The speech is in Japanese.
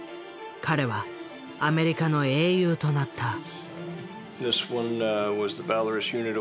彼はアメリカの英雄となった。